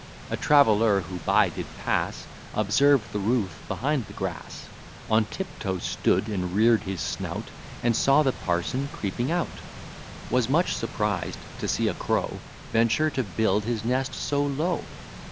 A traveller, who by did pass, Observed the roof behind the grass; On tiptoe stood, and rear'd his snout, And saw the parson creeping out: Was much surprised to see a crow Venture to build his nest so low.